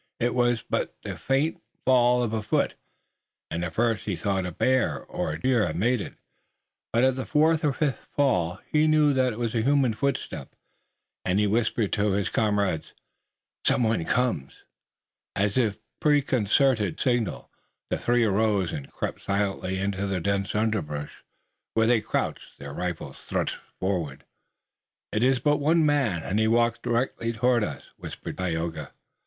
It was but the faint fall of a foot, and, at first, he thought a bear or a deer had made it, but at the fourth or fifth fall he knew that it was a human footstep and he whispered to his comrades: "Some one comes!" As if by preconcerted signal the three arose and crept silently into the dense underbrush, where they crouched, their rifles thrust forward. "It is but one man and he walks directly toward us," whispered Tayoga.